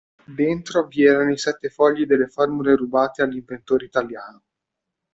Dentro vi erano i sette fogli delle formule rubate all'inventore italiano.